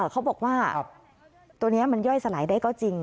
เขาบอกว่าตัวนี้มันย่อยสลายได้ก็จริง